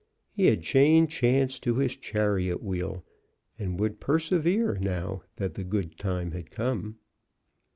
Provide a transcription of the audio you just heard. He had chained Chance to his chariot wheel and would persevere now that the good time had come.